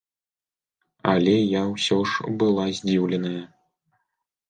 Але я ўсё ж была здзіўленая.